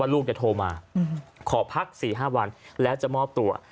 ว่าลูกจะโทรมาอืมขอพักสี่ห้าวันแล้วจะมอบตัว